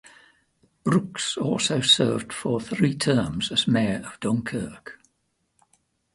Brooks also served for three terms as mayor of Dunkirk.